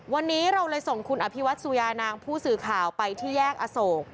วันนี้เราเลยส่งคุณอภิวัตสุยานางผู้สื่อข่าวไปที่แยกอโศก